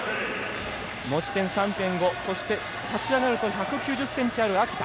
持ち点３．５で、立ち上がると１９０ｃｍある秋田。